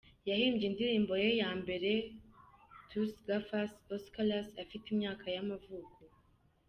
Yahimbye indirimbo ye ya mbere Tus gafas oscuras, afite imyaka y’amavuko.